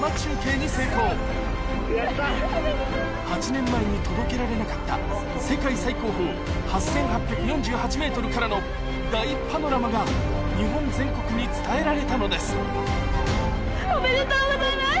８年前に届けられなかった世界最高峰８８４８ｍからの大パノラマが日本全国に伝えられたのです・おめでとうございます！